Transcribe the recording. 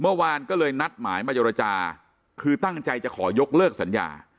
เมื่อวานก็เลยนัดหมายมาเจรจาคือตั้งใจจะขอยกเลิกสัญญา